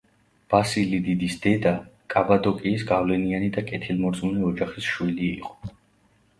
ბასილი დიდის დედა კაბადოკიის გავლენიანი და კეთილმორწმუნე ოჯახის შვილი იყო.